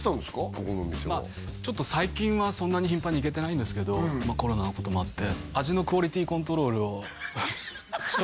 ここのお店はちょっと最近はそんなに頻繁に行けてないんですけどコロナのこともあって